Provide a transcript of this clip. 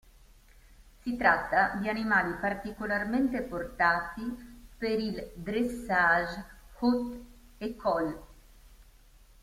Si tratta di animali particolarmente portati per il dressage "haute ecole".